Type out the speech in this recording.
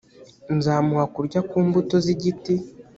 nzamuha kurya ku mbuto z igiti